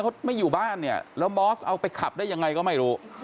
เขาไม่อยู่บ้านเนี่ยแล้วบอสเอาไปขับได้ยังไงก็ไม่รู้